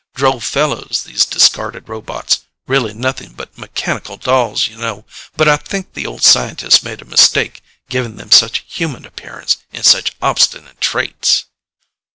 "Droll fellows, these discarded robots. Really nothing but mechanical dolls, you know, but I think the old scientists made a mistake, giving them such human appearance, and such obstinate traits."